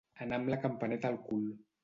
Anar amb la campaneta al cul.